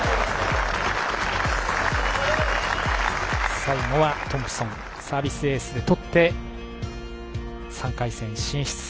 最後はトンプソンサービスエースでとって３回戦進出。